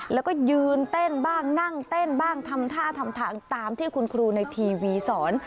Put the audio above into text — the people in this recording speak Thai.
แล้วก็ยืนเต้นบ้างนั่งเต้นบ้างทำท่าทำทางตามที่คุณครูในทีวีสอน